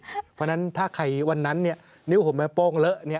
เพราะฉะนั้นถ้าใครวันนั้นเนี่ยนิ้วผมมาโป้งเลอะ